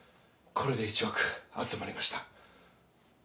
これで１億集まりました。